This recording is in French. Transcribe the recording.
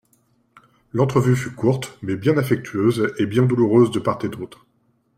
L'entrevue fut courte, mais bien affectueuse et bien douloureuse de part et d'autre.